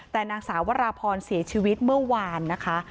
แต่นางสาววราพรเสียชีวิตเมื่อวานนะคะ